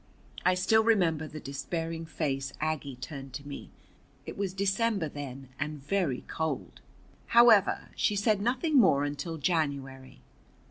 I still remember the despairing face Aggie turned to me. It was December then, and very cold. However, she said nothing more until January.